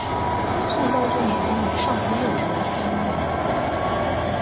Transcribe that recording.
宋高宗年间为尚书右丞。